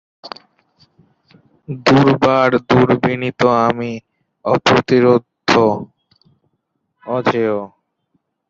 বর্তমানে প্রজাতিটি দ্বীপে অবমুক্ত করা হয়েছে।